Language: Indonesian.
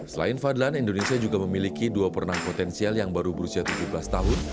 selain fadlan indonesia juga memiliki dua perenang potensial yang baru berusia tujuh belas tahun